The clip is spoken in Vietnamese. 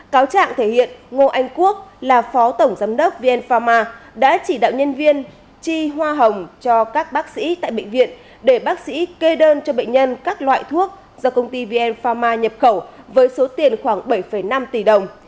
cáo trạng thể hiện ngô anh quốc là phó tổng giám đốc vn pharma đã chỉ đạo nhân viên chi hoa hồng cho các bác sĩ tại bệnh viện để bác sĩ kê đơn cho bệnh nhân các loại thuốc do công ty vn pharma nhập khẩu với số tiền khoảng bảy năm tỷ đồng